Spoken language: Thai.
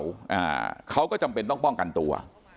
อ่าเขาก็จำเป็นต้องป้องกันตัว